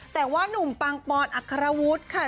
แต่ว่านุ่มปังปอนอัครวุฒิค่ะ